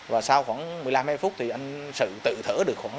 và sau khoảng một mươi năm hai mươi phút thì anh sự tự thở được